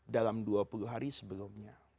dalam dua puluh hari sebelumnya